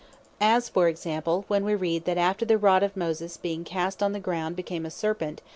As for example, when we read that after the Rod of Moses being cast on the ground became a Serpent, (Exod.